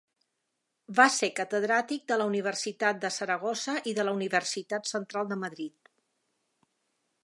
Va ser catedràtic de la Universitat de Saragossa i de la Universitat Central de Madrid.